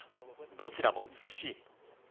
どちらも美しい。